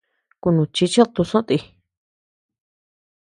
Kunuchichid tusoʼö ti.